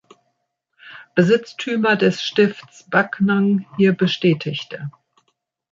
Besitztümer des Stifts Backnang hier bestätigte.